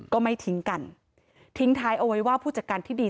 ก็ไม่ทิ้งกันทิ้งท้ายเอาไว้ว่าผู้จัดการที่ดี